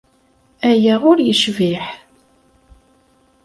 Aya ur yecbiḥ.